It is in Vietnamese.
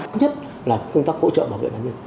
thứ nhất là công tác hỗ trợ bảo vệ nạn nhân